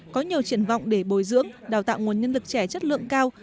có nhiều triển vọng để bồi dưỡng đào tạo nguồn nhân lực trẻ chất lượng cao